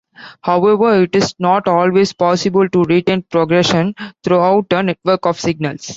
However, it is not always possible to retain progression throughout a network of signals.